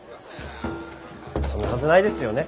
そんなはずないですよね。